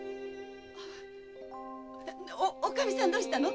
おおかみさんどうしたの？